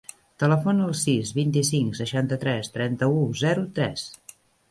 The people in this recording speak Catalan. Telefona al sis, vint-i-cinc, seixanta-tres, trenta-u, zero, tres.